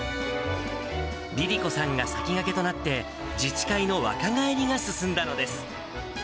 梨里子さんが先駆けとなって、自治会の若返りが進んだのです。